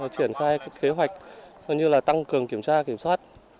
triển khai kế hoạch tăng cường kiểm tra kiểm soát